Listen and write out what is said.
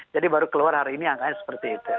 jadi baru keluar hari ini angkanya seperti itu